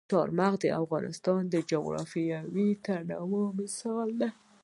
چار مغز د افغانستان د جغرافیوي تنوع مثال دی.